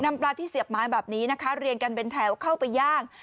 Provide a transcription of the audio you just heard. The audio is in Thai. ปลาที่เสียบไม้แบบนี้นะคะเรียงกันเป็นแถวเข้าไปย่าง